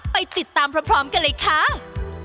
ไปติดตามพร้อมกันอีกครั้ง